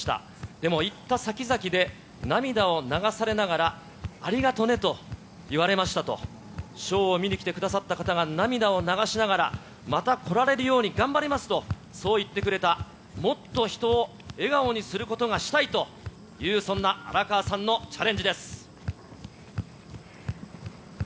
でも、行った先々で涙を流されながら、ありがとねと言われましたと、ショーを見に来てくださった方が、涙を流しながら、また来られるように頑張りますと、そう言ってくれた、もっと人を笑顔にすることがしたいという、そんな荒川さんのチャレンジです。